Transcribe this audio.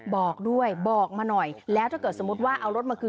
บอกด้วยบอกมาหน่อยแล้วถ้าเกิดสมมุติว่าเอารถมาคืน